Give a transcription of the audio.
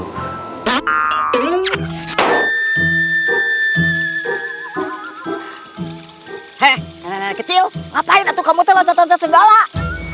hei anak anak kecil ngapain atu kamu terlontot lontot sebalak